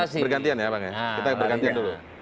bergantian ya bang ya